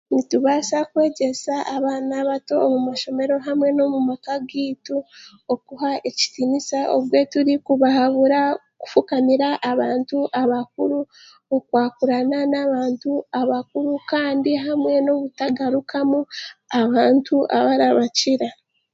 Nitubaasa kwegyesa abaana bato omu mashomero hamwe n'omumaka g'eitu okuha ekitiniisa obwe turikubahabura kufukamira abantu abakuru, okwakurana n'abantu bakuru kandi hamwe n'obutagarukamu abantu abarabakira.